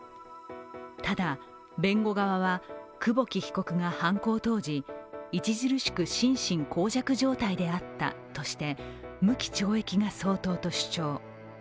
ただ、弁護側は久保木被告が犯行当時著しく心神耗弱状態であったとして無期懲役が相当と主張。